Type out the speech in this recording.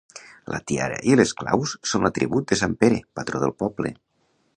La tiara i les claus són l'atribut de sant Pere, patró del poble.